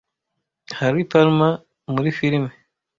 Harry Palmer muri firime